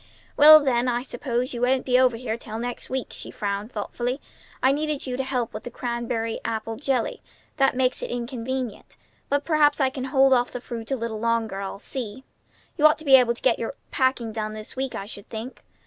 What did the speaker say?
"Well, then, I suppose you won't be over here till next week," she frowned thoughtfully. "I needed you to help with the crabapple jelly. That makes it inconvenient. But perhaps I can hold off the fruit a little longer; I'll see. You ought to be able to get all your packing done this week, I should think.